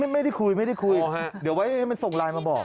ไม่ได้คุยไม่ได้คุยเดี๋ยวไว้ให้มันส่งไลน์มาบอก